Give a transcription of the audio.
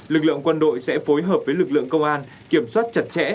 lực lượng quân đội sẽ phối hợp với lực lượng công an kiểm soát chặt chẽ